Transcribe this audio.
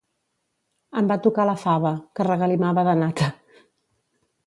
Em va tocar la fava, que regalimava de nata.